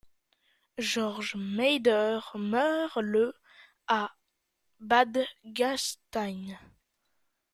Georg Mader meurt le à Bad Gastein.